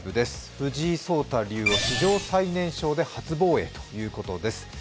藤井聡太竜王、史上最年少で初防衛ということです。